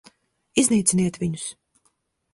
Iznīciniet viņus!